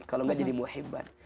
kalau enggak jadi muhibban